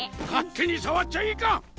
勝手に触っちゃいかん！